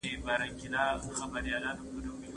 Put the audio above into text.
دا هغه موضوع ده چي ما یې په اړه مطالعه کوله.